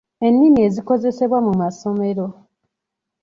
Ennimi ezikozesebwa mu masomero.